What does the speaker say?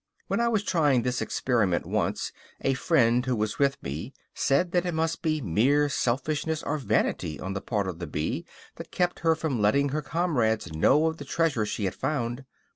When I was trying this experiment once a friend who was with me said that it must be mere selfishness or vanity on the part of the bee that kept her from letting her comrades know of the treasure she had found.